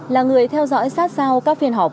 là người theo dõi sát sao các phiên họp